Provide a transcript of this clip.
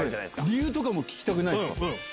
理由聞きたくないですか？